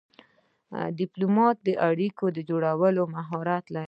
ډيپلومات د اړیکو جوړولو مهارت لري.